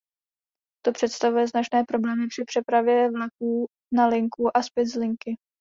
To představuje značné problémy při přepravě vlaků na linku a zpět z linky.